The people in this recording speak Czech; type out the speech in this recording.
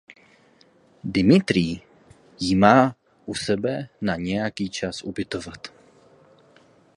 Dmitrij jí má u sebe na nějaký čas ubytovat.